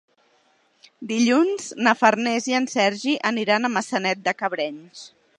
Dilluns na Farners i en Sergi aniran a Maçanet de Cabrenys.